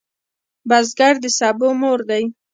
بزګر د سبو مور دی